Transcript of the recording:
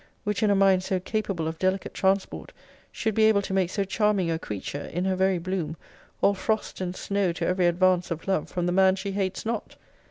] which in a mind so capable of delicate transport, should be able to make so charming a creature, in her very bloom, all frost and snow to every advance of love from the man she hates not.